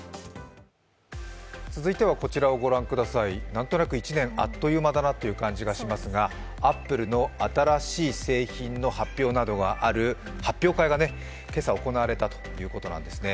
続いてはこちらをご覧ください何となく１年、あっという間だなという気がしますがアップルの新しい製品の発表などがある発表会が今朝行われたということなんですね。